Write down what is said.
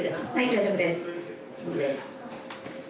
大丈夫です。